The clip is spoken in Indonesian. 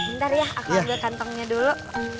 ntar ya aku ambil kantongnya dulu